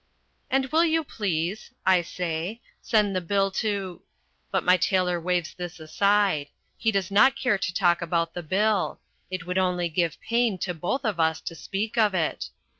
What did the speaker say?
"And will you please," I say, "send the bill to ?" but my tailor waves this aside. He does not care to talk about the bill. It would only give pain to both of us to speak of it.